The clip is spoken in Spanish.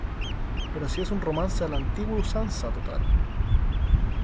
pero si es un romance a la antigua usanza total.